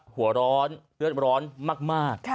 หัวร้อนเลือดร้อนมาก